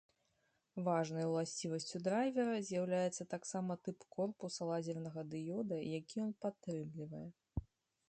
Важнай уласцівасцю драйвера з'яўляецца таксама тып корпуса лазернага дыёда, які ён падтрымлівае.